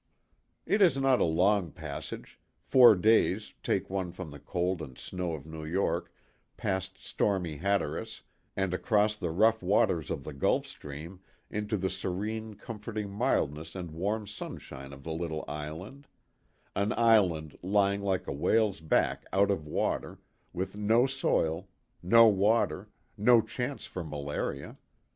It is not a long passage four days take one from the cold and snow of New York past stormy Hatteras and across the rough waters of the Gulf Stream into the serene, comforting mildness and warm sunshine of the little island; an island lying like a whale's back out of water, with no soil, no water, no chance for malaria 126 THE TWO WILLS.